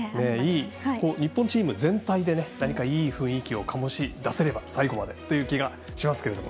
日本チーム全体で何かいい雰囲気を醸し出せれば最後までという気がしますが。